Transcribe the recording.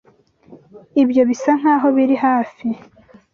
Ibyo bisa nkaho biri hafi.